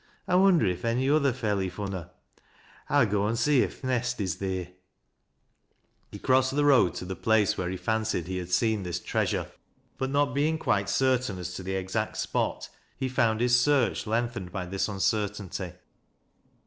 I wonder if any other felij fun her. I'll go an' see if th' nest is theer." lie crossed the road to the place where he fancied ho had seen this treasure ; but not being quite certain as to the exact spot, he foi; nd his search lengthened by t\xii .incertainty.